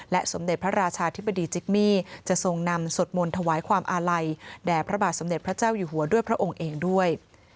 สมเด็จพระราชาธิบดีจิกมี่จะทรงนำสวดมนต์ถวายความอาลัยแด่พระบาทสมเด็จพระเจ้าอยู่หัวด้วยพระองค์เองด้วย